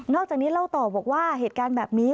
จากนี้เล่าต่อบอกว่าเหตุการณ์แบบนี้